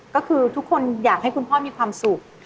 ก็คือทุกคนอยากให้คุณพ่อมีความสุข